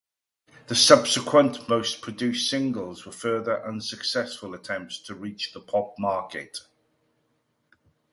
The subsequent Most-produced singles were further unsuccessful attempts to reach the pop market.